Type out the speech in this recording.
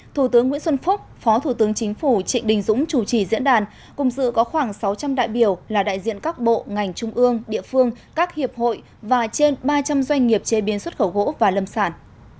thủ tướng nguyễn xuân phúc phó thủ tướng chính phủ trịnh đình dũng chủ trì diễn đàn cùng dự có khoảng sáu trăm linh đại biểu là đại diện các bộ ngành trung ương địa phương các hiệp hội và trên ba trăm linh doanh nghiệp chế biến xuất khẩu gỗ và lâm sản